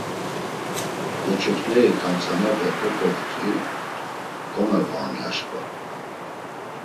Goç̌uxneri ǩamtzamepe koǩovutvi, komevaoni aşǩva.